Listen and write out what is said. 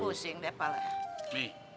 pusing deh pala